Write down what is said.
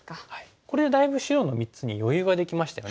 これでだいぶ白の３つに余裕ができましたよね。